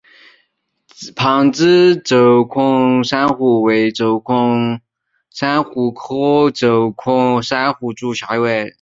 旁枝轴孔珊瑚为轴孔珊瑚科轴孔珊瑚属下的一个种。